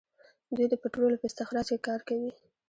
دوی د پټرولو په استخراج کې کار کوي.